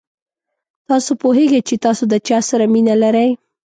تاسو پوهېږئ چې تاسو د چا سره مینه لرئ.